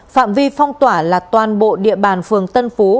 phạm vi phong tỏa là toàn bộ địa bàn phường tân phú